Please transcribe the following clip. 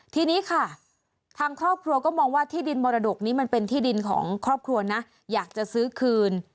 ทีนี้ค่ะทางครอบครัวก็มองว่าที่ดินมรดกนี้มันเป็นที่ดินของครอบครัวนะอยากจะซื้อคืน